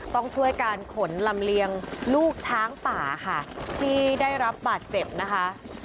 ต้องช่วยการขนลำเลียงลูกช้างป่าค่ะที่ได้รับบาดเจ็บนะคะ